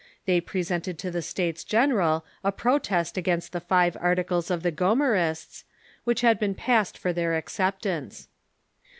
They presented to the States General a protest against the Five Articles of the Gomarists, which had been passed for their acceptance.